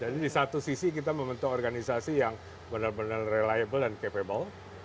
jadi di satu sisi kita membentuk organisasi yang benar benar berguna dan berguna